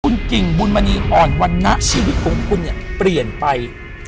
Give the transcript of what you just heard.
มูลกิ่งบุญมะนี้อ่อนวันนี้